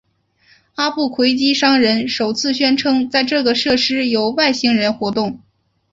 阿布奎基商人首次宣称在这个设施有外星人活动。